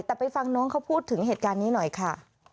แต่ไปฟังน้องเขาพูดถึงเหตุการณ์นี้หน่อยค่ะ